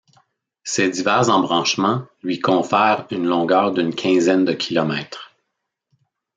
Ses divers embranchements lui confèrent une longueur d'une quinzaine de kilomètres.